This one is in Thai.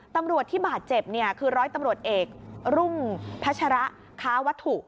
ตำรวจที่บาดเจ็บเนี่ยคือร้อยตำรวจเอกรุ่งพัชระค้าวัตถุ